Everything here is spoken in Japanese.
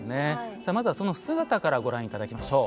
さあまずはその姿からご覧頂きましょう。